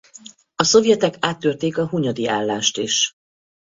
A szovjetek áttörték a Hunyadi állást is.